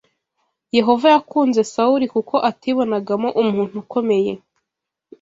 Yehova yakunze Sawuli kuko atibonagamo umuntu ukomeye.